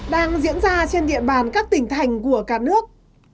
đang diễn ra trên địa bàn các tỉnh thành của cả nước